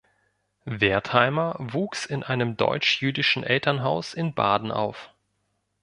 Wertheimer, wuchs in einem deutsch-jüdischen Elternhaus in Baden auf.